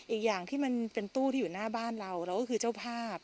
อีกอย่างที่มันเป็นตู้ที่อยู่หน้าบ้านเราเราก็คือเจ้าภาพ